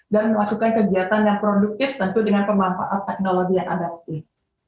dan melakukan kegiatan yang produktif tentu dengan pemanfaatan teknologi yang adaptif